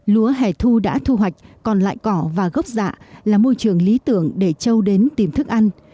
lúa hẻ thu đã thu hoạch còn lại cỏ và gốc dạ là môi trường lý tưởng để trâu đến tìm thức ăn